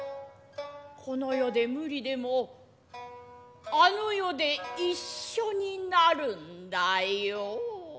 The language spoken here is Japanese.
この世で無理でもあの世で一緒になるんだよ。